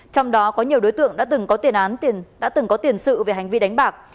trong đó có nhiều đối tượng đã từng có tiền sự về hành vi đánh bạc